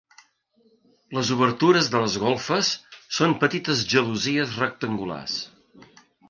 Les obertures de les golfes són petites gelosies rectangulars.